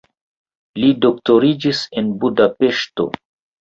Li doktoriĝis en Budapeŝto.